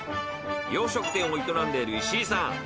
［洋食店を営んでいる石井さん］